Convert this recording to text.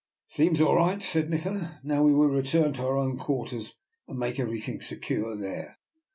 " It seems all right," said Nikola. " Now we will return to our own quarters, and make everything secure there."